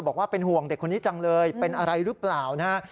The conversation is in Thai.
บอกว่าเป็นห่วงเด็กคนนี้จังเลยเป็นอะไรหรือเปล่านะฮะ